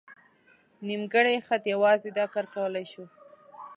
نیمګړی خط یوازې دا کار کولی شو.